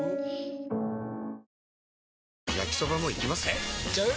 えいっちゃう？